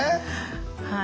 はい。